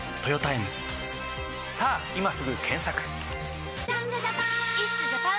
さぁ今すぐ検索！